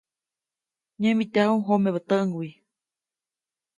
Nyämityaju jomebä täʼŋguy.